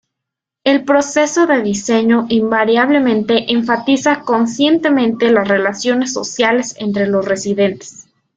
El proceso de diseño invariablemente enfatiza conscientemente las relaciones sociales entre los residentes.